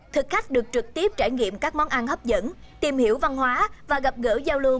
thực khách được trực tiếp trải nghiệm các món ăn hấp dẫn tìm hiểu văn hóa và gặp gỡ giao lưu